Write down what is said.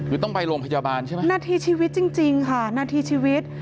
คือต้องไปโรงพยาบาลใช่ไหมนาทีชีวิตจริงค่ะนาทีชีวิต